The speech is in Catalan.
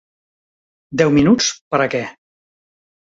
Deu minuts per a què?